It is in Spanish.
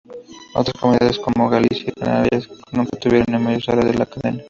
Otras comunidades como Galicia y Canarias nunca tuvieron emisoras de la cadena.